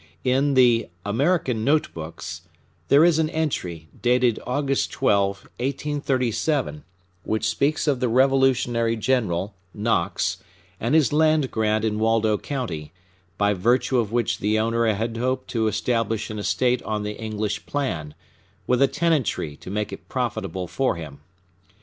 In the "American Note Books" there is an entry, dated August 12, 1837, which speaks of the Revolutionary general, Knox, and his land grant in Waldo County, by virtue of which the owner had hoped to establish an estate on the English plan, with a tenantry to make it profitable for him.